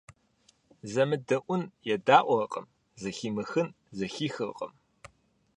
ЗэмыдэIуэн едаIуэркъым, зэхимыхын зэхихыркъым.